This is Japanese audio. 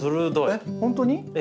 えっ本当に？